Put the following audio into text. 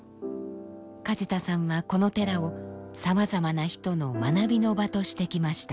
梶田さんはこの寺をさまざまな人の学びの場としてきました。